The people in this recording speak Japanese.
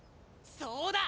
そうだ！